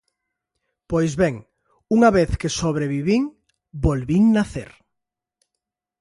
Pois ben: unha vez que sobrevivín, volvín nacer.